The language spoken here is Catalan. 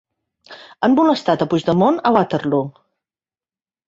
Han molestat a Puigdemont a Waterloo